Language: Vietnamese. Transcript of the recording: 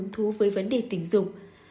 thú với vấn đề tình dục